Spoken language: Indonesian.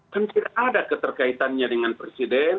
kan tidak ada keterkaitannya dengan presiden